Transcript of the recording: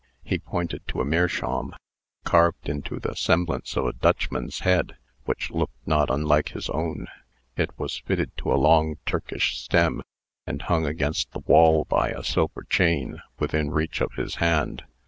He pointed to a meerschaum, carved into the semblance of a Dutchman's head, which looked not unlike his own. It was fitted to a long Turkish stem, and hung against the wall by a silver chain, within reach of his hand.